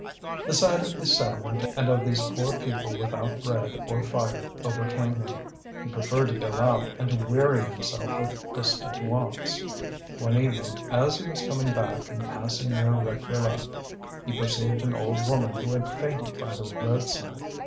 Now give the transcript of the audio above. The sight of the settlement and of these poor people without bread or fire overcame him. He preferred to go out and to weary himself with distant walks. One evening, as he was coming back and passing near Réquillart, he perceived an old woman who had fainted by the roadside.